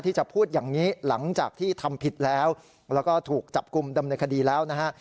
ที่จะพูดอย่างนี้หลังจากที่ทำผิดแล้วแล้วก็ถูกจับกลุ่มดำเนินคดีแล้วนะฮะ